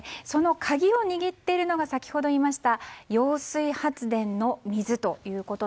その鍵を握っているのが先ほど言いました揚水発電の水。